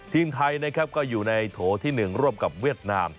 ทีมไทยนะครับก็อยู่ในโถที่๑ร่วมกับเวียดนาม